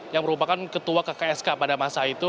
yang merupakan ketua kksk pada masa itu